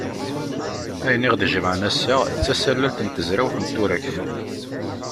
Ayen i aɣ-d-ijemɛen ass-a, d tasalalt n tezrawt n turagt.